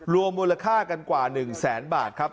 รวมมูลค่ากันกว่า๑แสนบาทครับ